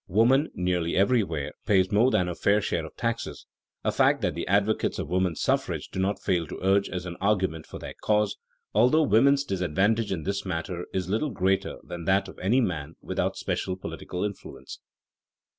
Woman nearly everywhere pays more than her fair share of taxes, a fact that the advocates of woman suffrage do not fail to urge as an argument for their cause, although women's disadvantage in this matter is little greater than that of any man without special political influence.